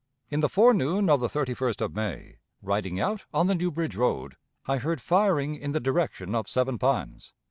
In the forenoon of the 31st of May, riding out on the New Bridge road, I heard firing in the direction of Seven Pines.